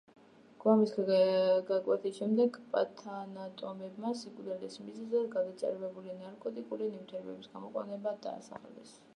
გვამის გაკვეთის შემდეგ პათანატომებმა სიკვდილის მიზეზად გადაჭარბებული ნარკოტიკული ნივთიერებების გამოყენება დაასახელეს.